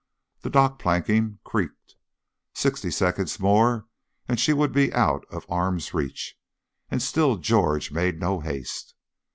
The dock planking creaked. Sixty seconds more and she would be out of arm's reach, and still George made no haste.